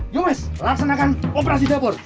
ya mas laksanakan operasi dapur